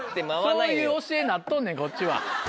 そういう教えになっとんねんこっちは。